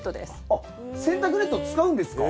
あっ洗濯ネット使うんですか？